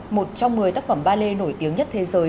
một trong một mươi tác phẩm ballet nổi tiếng nhất thế giới